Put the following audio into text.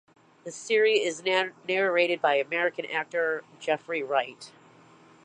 The series is narrated by American actor Jeffrey Wright.